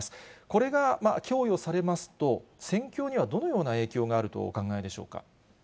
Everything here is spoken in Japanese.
これが供与されますと、戦況にはどのような世界があるとお考えでしょうか。